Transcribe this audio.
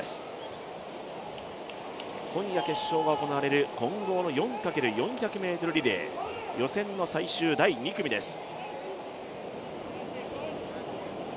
今夜決勝が行われる混合の４×４００ｍリレー、予選の最終第２組です。